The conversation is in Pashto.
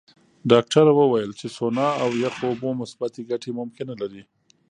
ډاکټره وویل چې سونا او یخو اوبو مثبتې ګټې ممکنه لري.